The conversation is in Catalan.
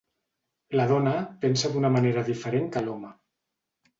La dona pensa d’un manera diferent que l’home